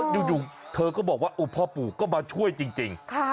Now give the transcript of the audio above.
อยู่เธอก็บอกว่าพ่อปู่ก็มาช่วยจริง